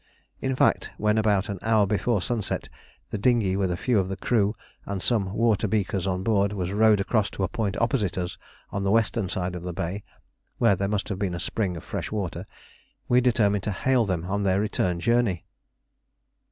In fact, when about an hour before sunset the dinghy with a few of the crew and some water beakers on board was rowed across to a point opposite us on the western side of the bay (where there must have been a spring of fresh water), we determined to hail them on their return journey.